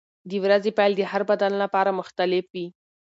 د ورځې پیل د هر بدن لپاره مختلف وي.